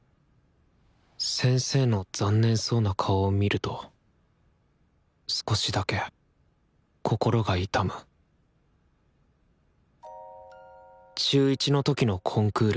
先生の残念そうな顔を見ると少しだけ心が痛む中１の時のコンクール。